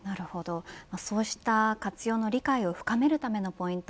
そうした活用の理解を深めるためのポイント